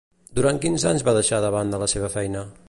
Durant quins anys va deixar de banda la seva feina?